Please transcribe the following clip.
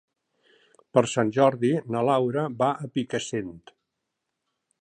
Per Sant Jordi na Laura va a Picassent.